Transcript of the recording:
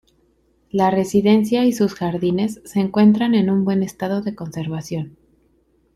La residencia y sus jardines se encuentran en un buen estado de conservación.